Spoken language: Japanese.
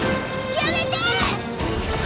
やめて！！